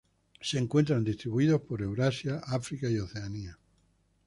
Se encuentran distribuidos por Eurasia, África y Oceanía.